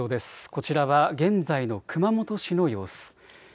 こちらは現在の熊本市の様子。